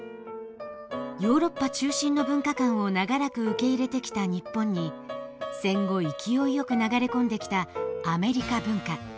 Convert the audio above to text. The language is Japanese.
ヨーロッパ中心の文化観を長らく受け入れてきた日本に戦後勢いよく流れ込んできたアメリカ文化。